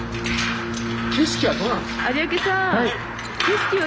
景色はどうなんですか？